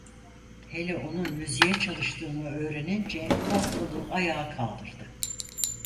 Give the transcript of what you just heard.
Hele onun müziğe çalıştığını öğrenince ortalığı ayağa kaldırdı.